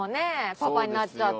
パパになっちゃって。